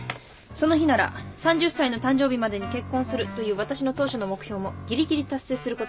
その日なら３０歳の誕生日までに結婚するという私の当初の目標もぎりぎり達成することができます。